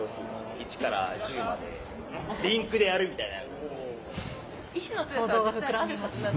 １から１０まで、リンクでやるみたいな。